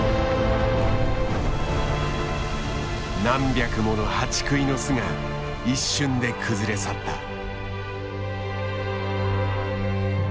何百ものハチクイの巣が一瞬で崩れ去った。